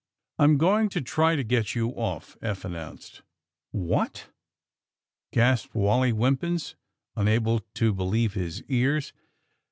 *^I'm going to try to get you oif," Eph an nounced, *^ What I" gasped Wally Wimpins, unable to believe his ears.